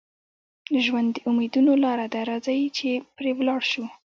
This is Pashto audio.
ژوند د امیدونو لاره ده، راځئ چې پرې ولاړ شو.